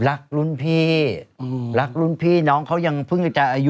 รักรุ่นพี่รักรุ่นพี่น้องเขายังพึ่งจะอายุไม่เท่าไหร่